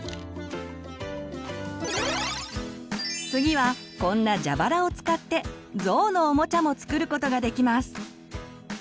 次はこんなジャバラを使ってぞうのおもちゃも作ることができます。